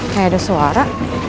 kayak ada suara